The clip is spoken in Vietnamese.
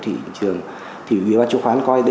thị trường thì quý vị bán chứng khoán coi